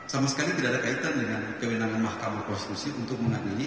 sama sekali tidak ada kaitan dengan kewenangan mahkamah konstitusi untuk mengadili